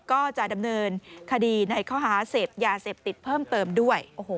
ก็จะดำเนินคดีในข้อหาเสพยาเสพติดเพิ่มเติมด้วย